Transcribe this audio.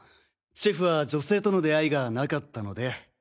シェフは女性との出会いがなかったので。